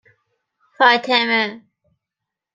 فاطمه